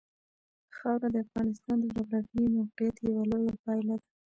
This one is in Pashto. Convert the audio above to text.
خاوره د افغانستان د جغرافیایي موقیعت یوه لویه پایله ده.